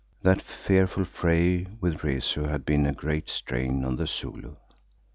That fearful fray with Rezu had been a great strain on the Zulu.